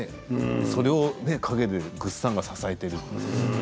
それを陰でぐっさんが支えている。